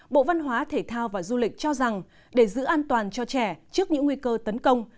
bộ văn hóa thể thao và du lịch cho rằng để giữ an toàn cho trẻ trước những nguy cơ tấn công